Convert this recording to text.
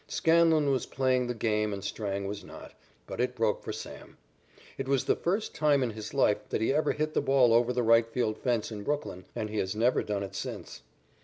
Scanlon was playing the game and Strang was not, but it broke for Sam. It was the first time in his life that he ever hit the ball over the right field fence in Brooklyn, and he has never done it since.